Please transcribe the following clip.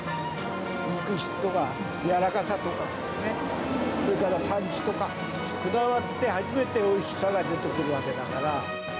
肉質とかやわらかさとかね、それから産地とか、こだわって初めておいしさが出てくるわけだから。